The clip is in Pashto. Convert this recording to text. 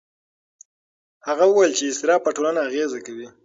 هغه وویل چې اضطراب په ټولنه اغېز کوي.